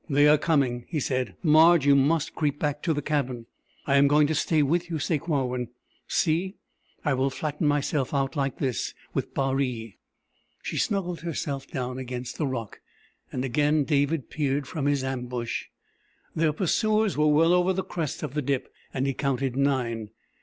"They are coming!" he said. "Marge, you must creep back to the cabin!" "I am going to stay with you, Sakewawin. See, I will flatten myself out like this with Baree." She snuggled herself down against the rock and again David peered from his ambush. Their pursuers were well over the crest of the dip, and he counted nine.